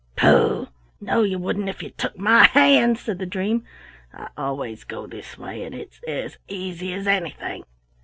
"Pooh! No, you wouldn't if you took my hand," said the dream. "I always go this way, and it's as easy as anything."